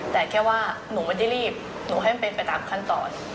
แต่แค่ว่าหนูไม่ได้รีบหนูให้มันเป็นไปตามขั้นตอน